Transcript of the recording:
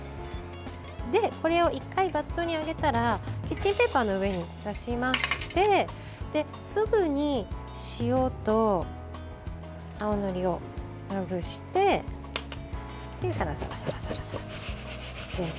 これを１回バットにあげたらキッチンペーパーの上に出しましてすぐに塩と青のりをまぶしてさらさらと全体にまぶします。